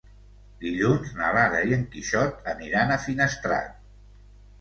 Dilluns na Lara i en Quixot aniran a Finestrat.